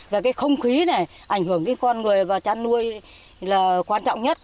và cái không khí này ảnh hưởng đến con người và chăn nuôi là quan trọng nhất